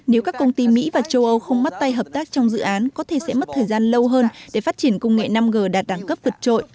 nếu các công ty mỹ và châu âu không mắt tay hợp tác trong dự án có thể sẽ mất thời gian lâu hơn để phát triển công nghệ năm g đạt đẳng cấp vượt trội